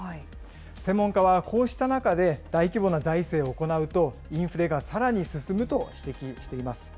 専門家はこうした中で大規模な財政を行うと、インフレがさらに進むと指摘しています。